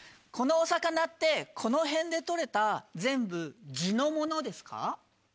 このお魚ってこの辺で取れた全部地のものですか？